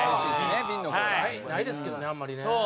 ないですけどねあんまりね。